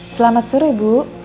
selamat sore ibu